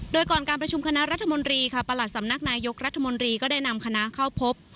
โดยก่อนการประชุมคณะรัฐมนตรีค่ะประหลัดสำนักนายยกรัฐมนตรีก็ได้นำคณะเข้าพบ